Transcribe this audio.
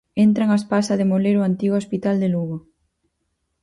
Entran as pas a demoler o antigo hospital de Lugo.